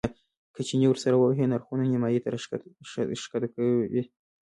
که چنې ورسره ووهې نرخونه نیمایي ته راښکته کوي.